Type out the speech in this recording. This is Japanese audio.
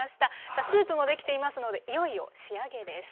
さあスープもできていますのでいよいよ仕上げです。